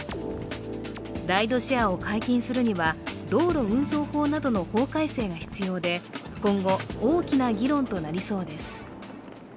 ライドシェアを解禁するには道路運送法などの法改正が必要で今後大きな議論となりそうです。